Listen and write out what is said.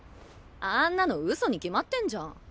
あんなの嘘に決まってんじゃん。